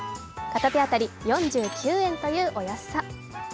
片手当たり４９円というお安さ。